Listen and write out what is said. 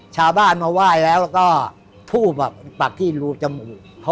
ชาวบ้านมาไหว้แล้วก็ทูบปักที่รูจมูก